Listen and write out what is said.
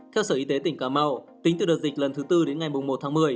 theo sở y tế tỉnh cà mau tính từ đợt dịch lần thứ tư đến ngày một tháng một mươi